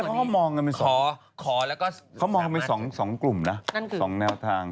คือตรงนี้เขาก็มองกันไป๒กลุ่มนะ๒แนวทาง